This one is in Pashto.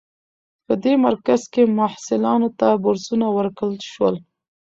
په دې مرکز کې محصلانو ته بورسونه ورکړل شول.